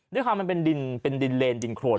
ด้วยความเป็นดินเลนดินโครน